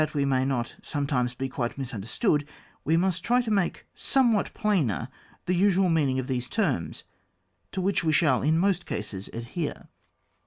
we may not sometimes be quite misim derstood, we must try to make somewhat plainer the usual meaning of these terms, to which we shall in most cases adhere.